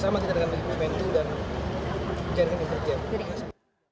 bersama kita dengan melipus menku dan jerman interjet